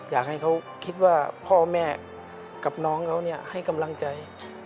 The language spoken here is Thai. อยากให้เขาคิดว่าพ่อแม่กับน้องเขาให้กำลังใจ